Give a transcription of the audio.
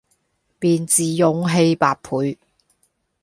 便自勇氣百倍，